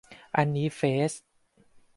อันนี้เฟซ